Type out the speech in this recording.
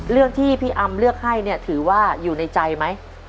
เรื่องที่พี่อำเลือกให้เนี่ยถือว่าอยู่ในใจไหม